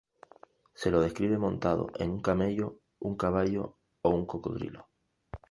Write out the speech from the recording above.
Se lo describe montado en un camello, un caballo o un cocodrilo.